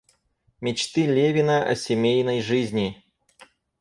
Мечты Левина о семейной жизни.